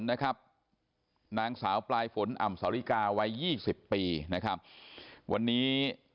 นางสาวปลายฝนอ่ำสาวริกาวัยยี่สิบปีนะครับวันนี้